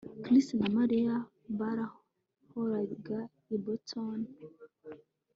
Chris na Mariya bahoraga i Boston